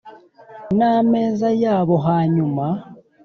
N ameza yabo hanyuma